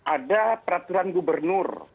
ada peraturan gubernur